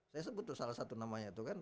saya sebut tuh salah satu namanya itu kan